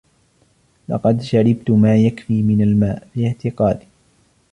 لقد شربت ما يكفي من الماء، في اعتقادي.